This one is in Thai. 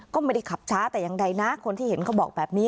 ก็ไม่ได้ขับช้าแต่อย่างใดนะคนที่เห็นเขาบอกแบบนี้